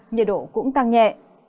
nhiệt độ cũng tăng nhẹ